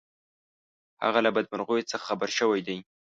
هغه له بدمرغیو څخه خبر شوی دی.